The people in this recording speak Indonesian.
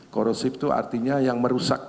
korosif itu artinya yang merusak